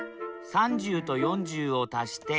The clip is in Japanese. ３０と４０を足して７０。